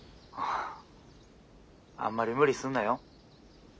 ☎あんまり無理すんなよ。